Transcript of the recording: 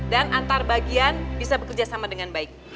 dan antar bagian bisa bekerja sama dengan baik